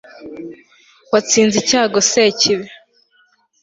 watsinze icyago sekibi